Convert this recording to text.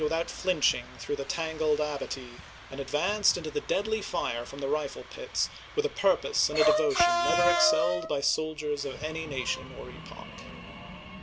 without flinching through the tangled abatis, and advanced into the deadly fire from the rifle pits with a purpose and a devotion never excelled by soldiers of any nation or epoch.